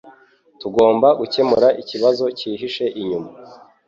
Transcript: Tugomba gukemura ikibazo cyihishe inyuma.